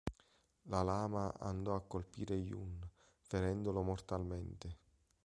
La lama andò a colpire Yun, ferendolo mortalmente.